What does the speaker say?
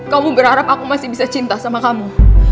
kamu berharap aku masih bisa cinta sama kamu